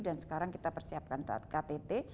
dan sekarang kita persiapkan ktt